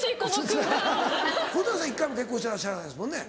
黒谷さん１回も結婚してらっしゃらないですもんね？